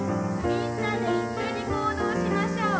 みんなで一緒に行動しましょう。